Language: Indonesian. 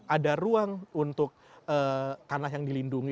ada ruang untuk tanah yang dilindungi